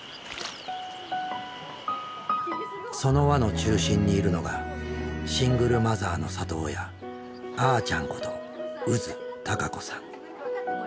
その輪の中心にいるのがシングルマザーの里親「あーちゃん」こと宇津孝子さん。